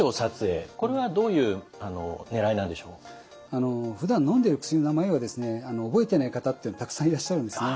あのふだんのんでいる薬の名前を覚えていない方ってたくさんいらっしゃるんですね。